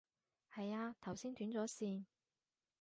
係啊，頭先斷咗線